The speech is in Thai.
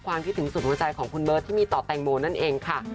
คิดถึงสุดหัวใจของคุณเบิร์ตที่มีต่อแตงโมนั่นเองค่ะ